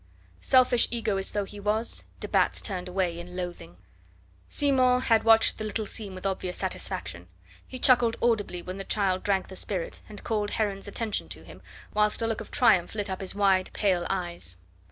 Selfish egoist though he was, de Batz turned away in loathing. Simon had watched the little scene with obvious satisfaction. He chuckled audibly when the child drank the spirit, and called Heron's attention to him, whilst a look of triumph lit up his wide, pale eyes.